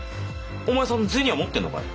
お前さん銭は持ってんのかい？